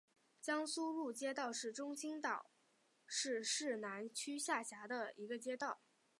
江苏路街道是中国青岛市市南区下辖的一个街道。